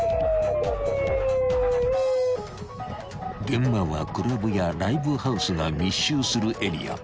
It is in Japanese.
［現場はクラブやライブハウスが密集するエリア］